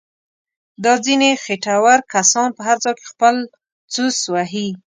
دا ځنیې خېټور کسان په هر ځای کې خپل څوس وهي.